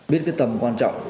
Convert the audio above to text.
biết cái tầm quan trọng